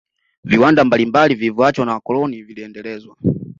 viwanda mbalimbali vilivyoachwa na wakoloni vilendelezwa